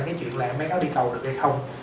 cái chuyện là em bé nó đi cầu được hay không